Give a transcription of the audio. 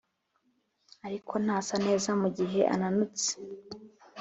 ariko ntasa neza mugihe ananutse